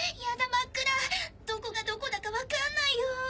真っ暗どこがどこだか分かんないよ。